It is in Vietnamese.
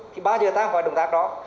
thì bao giờ ta không phải động tác đó